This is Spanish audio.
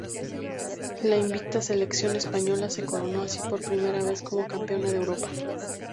La invicta selección española, se coronó así por primera vez como campeona de Europa.